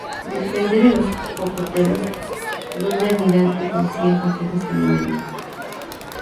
Dependen de los cocoteros, donde anidan y consiguen parte de su alimento.